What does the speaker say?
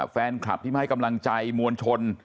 แฟนคลับที่มาให้กำลังใจมวลชน